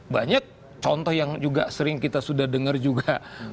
banyak contoh yang juga sering kita sudah dengar juga